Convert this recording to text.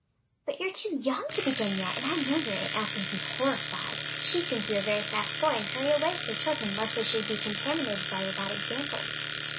"But you're too young to begin yet, and I know your Aunt Elsie would be horrified. She'd think you a very fast boy and hurry away with her children, lest they should be contaminated by your bad example."